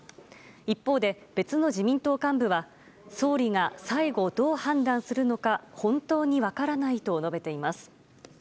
一方で別の自民党幹部は総理が最後、どう判断するのか本当に分からないと述べています。